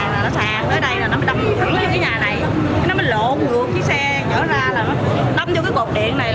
nó mới lộ ngược cái xe nhở ra là nó đâm vô cái cột điện này